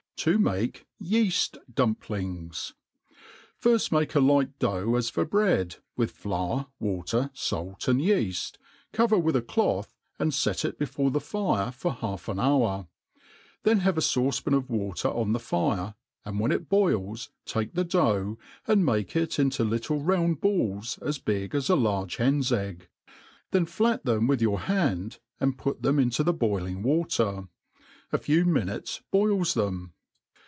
Tip makeTea/t^Dujnplmgs^ FIRST make a light dougli^a$ for bread, with^fiour, Water,* fait, and yeaft, cover with a cloth, < and fet it before the fire for half an hour ; then have a faucc pan of water on the fire, an<t when it boH» take the dough, and make it imo little round bdlsy as brg as a fairge hen's egg ; then flat them with your band, and put them into the boiling water ; a few minutes* boife them.